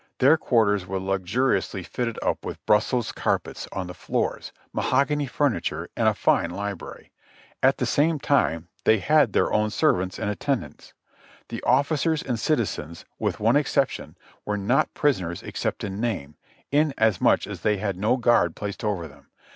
Their quarters were luxuriously fitted up with Brussels carpets on the floors, mahogany furniture and a fine library ; at the same time they had their own servants in attendance. The officers and citizens, with one exception, were not prisoners except in name, inasmuch as they had no guard placed over them.